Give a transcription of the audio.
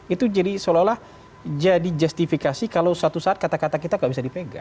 itu jadi seolah olah jadi justifikasi kalau suatu saat kata kata kita gak bisa dipegang